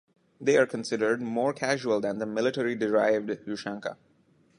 They are considered more casual than the military-derived ushanka.